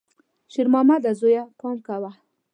شېرمامده زویه، پام کوه!